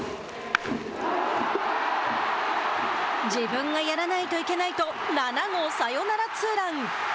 自分がやらないといけないと７号サヨナラツーラン。